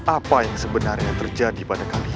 apa yang sebenarnya terjadi pada kalian